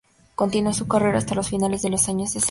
Continuó su carrera hasta finales de los años sesenta.